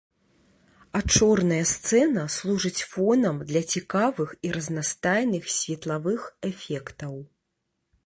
А чорная сцэна служыць фонам для цікавых і разнастайных светлавых эфектаў.